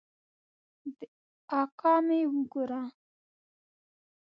اکا مې وګوره.